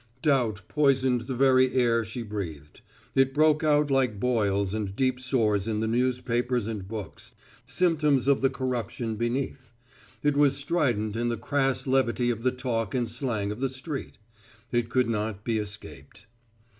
Doubt poisoned the very air she breathed; it broke out like boils and deep sores in the newspapers and books, symptoms of the corruption beneath; it was strident in the crass levity of the talk and slang of the street. It could not be escaped.